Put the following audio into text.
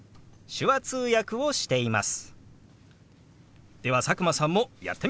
手話通訳をしています。